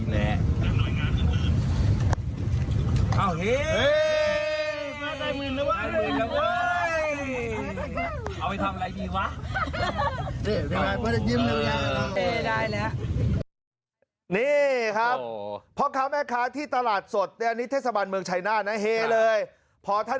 ได้เลยเนี่ยครับพ่อค้าแม่ค้าที่ตลาดสดจะนิทย์ที่สมันเมืองชัยหน้านะเฮลเลยพ่อท่าน